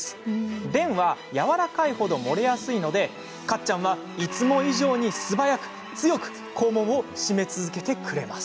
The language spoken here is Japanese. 便は軟らかいほどもれやすいのでカッちゃんはいつも以上に素早く強く、肛門をしめ続けてくれます。